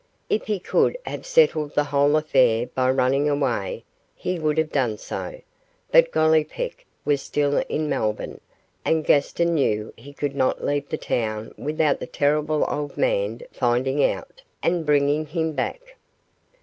If he could have settled the whole affair by running away, he would have done so, but Gollipeck was still in Melbourne, and Gaston knew he could not leave the town without the terrible old man finding it out, and bringing him back.